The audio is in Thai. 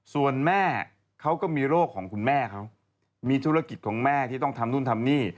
ส่วนแม่เขาก็มีโรคของคุณแม่เขามีธุรกิจของแม่ที่ต้องทำนู่นทำนี่